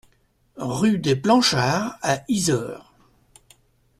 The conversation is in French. Rue des Planchards à Yzeure